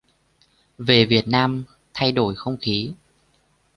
Về Việt Nam thay đổi không khí